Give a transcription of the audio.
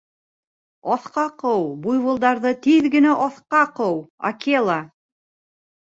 Аҫҡа ҡыу, буйволдарҙы тиҙ генә аҫҡа ҡыу, Акела!